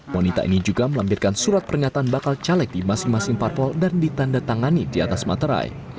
wanita ini juga melampirkan surat pernyataan bakal caleg di masing masing parpol dan ditanda tangani di atas materai